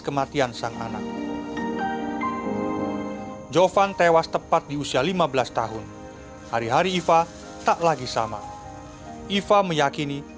kematian sang anak jovan tewas tepat di usia lima belas tahun hari hari iva tak lagi sama iva meyakini